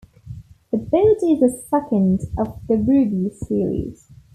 The boat is the second of the "Rubis" series.